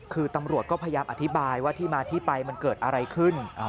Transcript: คือตำรวจก็พยายามอธิบายว่าที่มาที่ไปมันเกิดอะไรขึ้น